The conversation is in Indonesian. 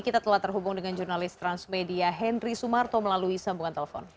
kita telah terhubung dengan jurnalis transmedia henry sumarto melalui sambungan telepon